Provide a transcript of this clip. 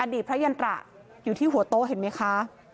อดีตพระยันตระอยู่ที่หัวโต๊ะเห็นมั้ยคะ